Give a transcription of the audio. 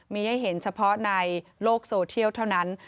มีให้เห็นเฉพาะในโลกโซเทียลเท่านั้น